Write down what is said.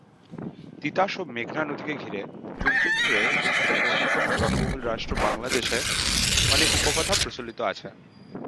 তিতাস ও মেঘনা নদীকে ঘিরে যুগ যুগ ধরে বিশ্বের অন্যতম জনবহুল রাষ্ট্র বাংলাদেশে অনেক উপকথা প্রচলিত আছে।